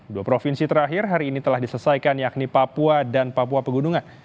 dua provinsi terakhir hari ini telah diselesaikan yakni papua dan papua pegunungan